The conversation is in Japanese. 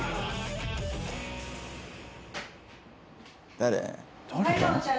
「誰？」